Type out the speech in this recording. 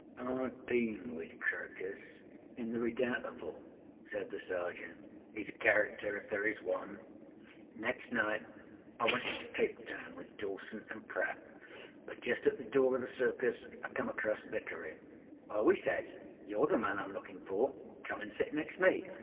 â âIâve been with Crocusâin the Redoubtable,â said the Sergeant. âHeâs a character if there is one.â âNext night I went into Cape Town with Dawson and Pratt; but just at the door of the Circus I came across Vickery. âOh!â he says, âyouâre the man Iâm looking for. Come and sit next me.